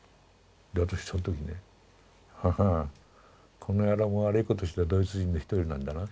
で私その時ねははんこの野郎悪いことしたドイツ人の一人なんだな。